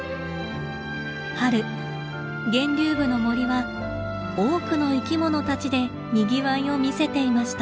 春源流部の森は多くの生きものたちでにぎわいを見せていました。